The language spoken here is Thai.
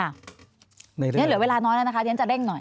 เดี๋ยวเหลือเวลาน้อยแล้วนะคะเดี๋ยวฉันจะเร่งหน่อย